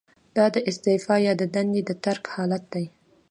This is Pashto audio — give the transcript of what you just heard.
دا د استعفا یا دندې د ترک حالت دی.